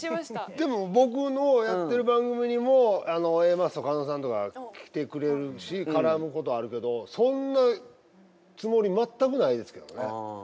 でも僕のやってる番組にもＡマッソ加納さんとか来てくれるし絡むことあるけどそんなつもり全くないですけどもね。